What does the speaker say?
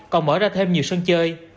còn mở ra thêm nhiều sân chơi